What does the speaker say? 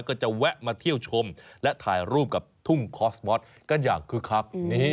ก็จะแวะมาเที่ยวชมและถ่ายรูปกับทุ่งคอสมอสกันอย่างคึกคัก